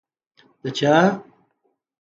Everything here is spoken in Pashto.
ـ د چا؟!